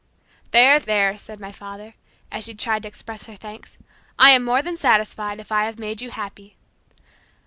"There, there," said my father, as she tried to express her thanks, "I am more than satisfied, if I have made you happy."